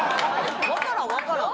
わからんわからん。